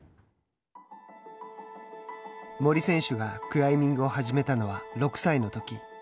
森選手がクライミングを始めたのは６歳のとき。